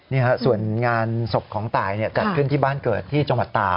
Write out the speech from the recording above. เนี่ยครับส่วนงานสกของตายเนี่ยกัดขึ้นที่บ้านเกิดที่จมตา